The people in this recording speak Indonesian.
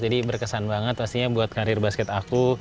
jadi berkesan banget pastinya buat karir basket aku